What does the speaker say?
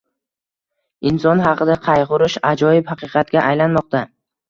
inson haqida qaygʻurish ajoyib haqiqatga aylanmoqda.